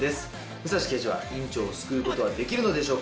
武蔵刑事は院長を救うことはできるのでしょうか。